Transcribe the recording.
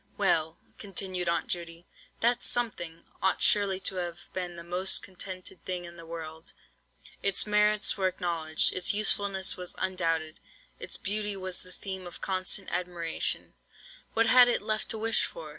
"Well," continued Aunt Judy, "that 'something' ought surely to have been the most contented thing in the world. Its merits were acknowledged; its usefulness was undoubted; its beauty was the theme of constant admiration; what had it left to wish for?